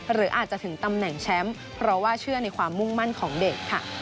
หรืออาจจะถึงตำแหน่งแชมป์เพราะว่าเชื่อในความมุ่งมั่นของเด็กค่ะ